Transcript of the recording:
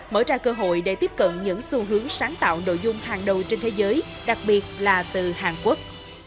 mở ra cơ hội để tiếp cận những xu hướng sáng tạo nội dung hàng đầu trên thế giới đặc biệt là từ hàn quốc